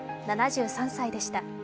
７３歳でした。